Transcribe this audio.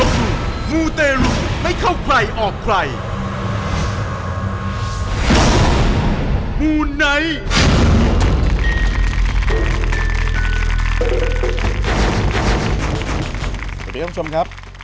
สวัสดีคับคุณชมครับ